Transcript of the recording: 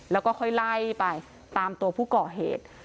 แล้วก็ค่อยไล่ไปตามตัวผู้ก่อเหตุ